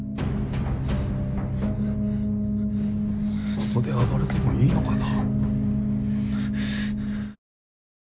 ここで暴れてもいいのかな？